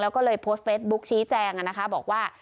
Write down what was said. แล้วก็เลยโพสต์เฟสบุ๊คชี้แจงบอกว่า